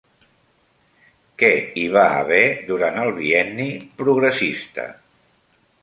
Què hi va haver durant el Bienni Progressista?